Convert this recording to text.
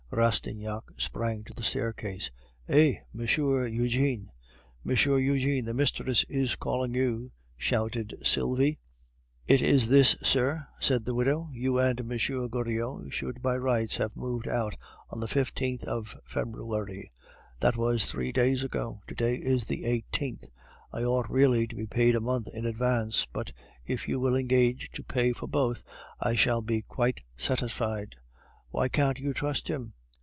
Rastignac sprang to the staircase. "Hey! Monsieur Eugene!" "Monsieur Eugene, the mistress is calling you," shouted Sylvie. "It is this, sir," said the widow. "You and M. Goriot should by rights have moved out on the 15th of February. That was three days ago; to day is the 18th, I ought really to be paid a month in advance; but if you will engage to pay for both, I shall be quite satisfied." "Why can't you trust him?"